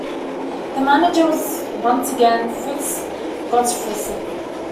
The manager was once again Frits Gotfredsen.